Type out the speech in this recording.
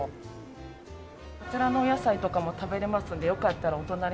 こちらのお野菜とかも食べられますんでよかったらお隣の。